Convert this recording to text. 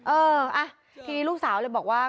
เอออ่ะทีนี้ลูกสาวเลยบอกว่า